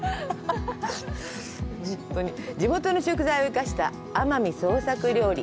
地元の食材を生かした奄美創作料理。